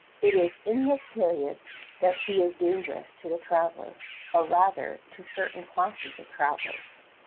It is in this period that he is dangerous to the traveler, or rather to certain classes of travelers.